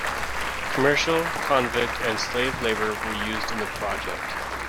Commercial, convict, and slave labor were used in the project.